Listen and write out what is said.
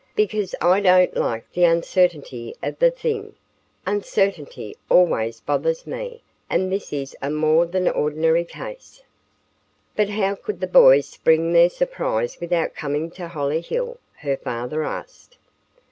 "Because I don't like the uncertainty of the thing. Uncertainty always bothers me, and this is a more than ordinary case." "But how could the boys spring their surprise without coming to Hollyhill?" her father asked.